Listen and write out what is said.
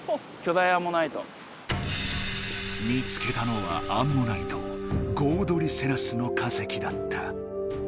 見つけたのはアンモナイトゴードリセラスの化石だった。